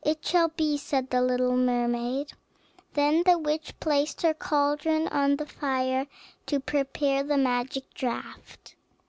"It shall be," said the little mermaid. Then the witch placed her cauldron on the fire, to prepare the magic draught.